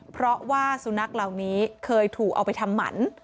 เพราะว่าสุนัขเหล่านี้เคยถูกเอาไปทำหมัน